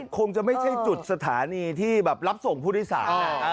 คงจะไม่ใช่จุดสถานีที่แบบรับส่งผู้โดยสาร